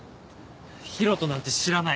博人なんて知らない。